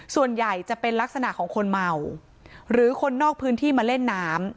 ส่วนใหญ่จะเป็นลักษณะของคนเมาหรือคนนอกพื้นที่มาเล่นน้ำ